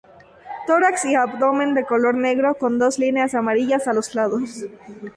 Tórax y abdomen de color negro con dos líneas amarillas a los lados.